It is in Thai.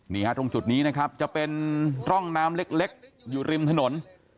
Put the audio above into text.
นี่ฮะตรงจุดนี้นะครับจะเป็นร่องน้ำเล็กอยู่ริมถนน